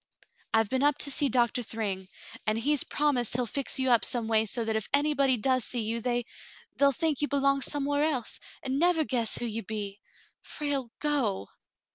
"I've been up to see Doctor Thryng, and he's promised Cassandra's Promise 57 he'll fix you up some way so that if anybody does see you, they — they'll think you belong somewhere else, and nevah guess who you be. Frale, go."